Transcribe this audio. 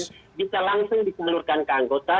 anggaran yang ditujukan bisa langsung diseluruhkan ke anggota